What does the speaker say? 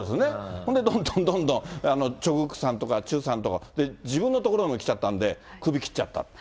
それでどんどんどんどんチョ・グクさんとか、チェさんとか、自分のところも来ちゃったんで首切っちゃった。